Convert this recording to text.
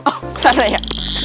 oh ke sana ya